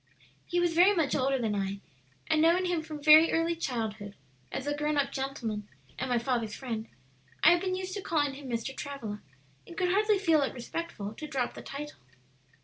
"He was very much older than I, and knowing him from very early childhood, as a grown up gentleman and my father's friend, I had been used to calling him Mr. Travilla, and could hardly feel it respectful to drop the title.